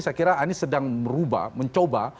saya kira anies sedang merubah mencoba